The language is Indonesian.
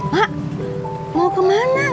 mak mau kemana